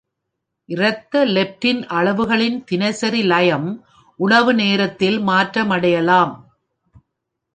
இரத்த லெப்டின் அளவுகளின் தினசரி லயம் உணவு நேரத்தில் மாற்றமடையலாம்.